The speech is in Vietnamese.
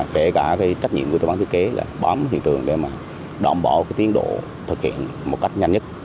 kể cả trách nhiệm của tổ bán thiết kế là bám thị trường để đoạn bỏ tiến độ thực hiện một cách nhanh nhất